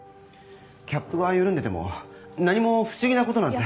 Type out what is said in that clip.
キャップが緩んでても何も不思議なことなんて。